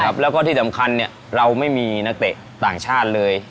แล้วก็ที่สำคัญเนี่ยเราไม่มีนักเตะต่างชาติเลย